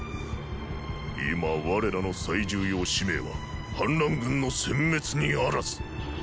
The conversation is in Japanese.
今我らの最重要使命は反乱軍の殲滅にあらず。